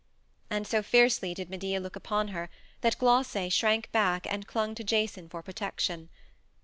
And so fiercely did Medea look upon her that Glance shrank back and clung to Jason for protection.